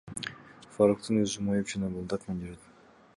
Фаруктун өзү майып жана балдак менен жүрөт.